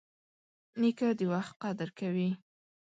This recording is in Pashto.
نیکه د وخت قدر کوي.